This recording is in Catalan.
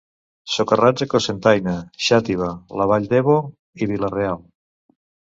Socarrats a Cocentaina, Xàtiva, la Vall d'Ebo i Vila-real.